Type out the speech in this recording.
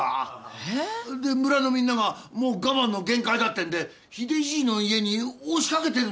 えっ？で村のみんながもう我慢の限界だってんで秀じいの家に押し掛けてるんですわ。